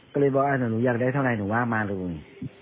ก็เลยบอกหนูอยากได้เท่าไรหนูว่ามาเลย